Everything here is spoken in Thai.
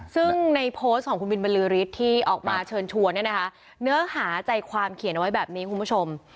ซึ่งในโพสต์ของคุณบิลบริษฐ์ที่ออกมาเชิญชวนเนื้อหาใจความเขียนไว้แบบนี้คุณผู้ชม